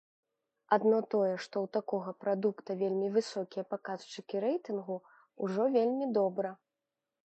Адно тое, што ў такога прадукта вельмі высокія паказчыкі рэйтынгу, ужо вельмі добра.